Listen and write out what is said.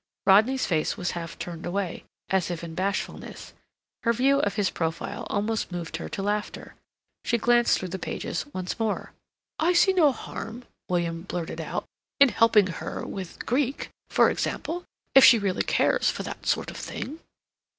Rodney's face was half turned away, as if in bashfulness. Her view of his profile almost moved her to laughter. She glanced through the pages once more. "I see no harm," William blurted out, "in helping her—with Greek, for example—if she really cares for that sort of thing."